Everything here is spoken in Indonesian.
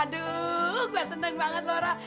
aduh gua seneng banget laura